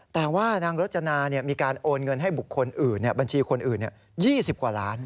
แต่ว่านางรจนามีการโอนเงินให้บุคคลอื่นบัญชีคนอื่น๒๐กว่าล้าน